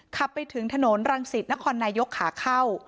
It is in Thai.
ขับไปถึงถนนรังสิตนครนายกขาเข้า